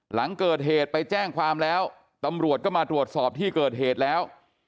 หลังเกิดเหตุไปแจ้งความแล้วตำรวจก็มาตรวจสอบที่เกิดเหตุแล้ว